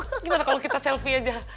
bagaimana kalau kita selfie saja